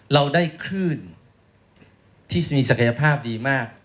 เราได้คลื่นที่มีศักยภาพดีมาก